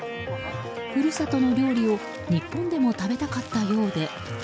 故郷の料理を日本でも食べたかったようで。